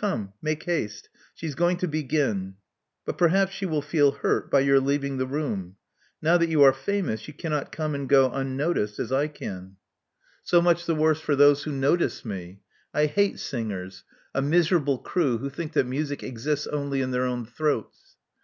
Come, make haste: she is going to begin." But perhaps she will feel hurt by your leaving the room. Now that you are famous, you cannot come and go unnoticed, a^ I can," 194 Love Among the Artists So much the worse for those who notice me. I hate singers, a miserable crew who think that music exists only in their own throats.